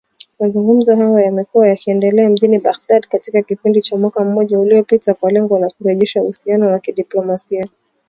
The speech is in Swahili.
Mazungumzo hayo yamekuwa yakiendelea mjini Baghdad katika kipindi cha mwaka mmoja uliopita kwa lengo la kurejesha uhusiano wa kidiplomasia